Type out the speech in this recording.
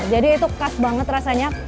jadi itu kas banget rasanya